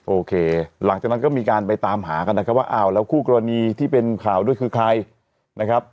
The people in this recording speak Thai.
โอเคหลังจากนั้นก็มีการไปตามหากันนะครับว่าอ้าวแล้วคู่กรณีที่เป็นข่าวด้วยคือใครนะครับ